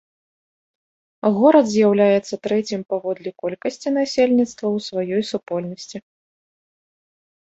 Горад з'яўляецца трэцім паводле колькасці насельніцтва ў сваёй супольнасці.